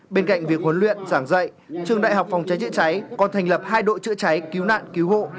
bên cạnh việc huấn luyện giảng dạy trường đại học phòng cháy chữa cháy còn thành lập hai đội chữa cháy cứu nạn cứu hộ